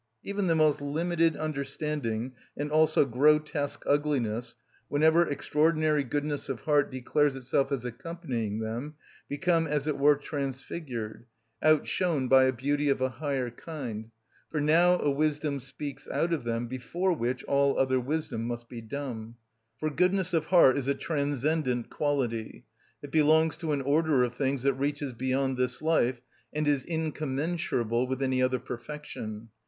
Even the most limited understanding, and also grotesque ugliness, whenever extraordinary goodness of heart declares itself as accompanying them, become as it were transfigured, outshone by a beauty of a higher kind, for now a wisdom speaks out of them before which all other wisdom must be dumb. For goodness of heart is a transcendent quality; it belongs to an order of things that reaches beyond this life, and is incommensurable with any other perfection.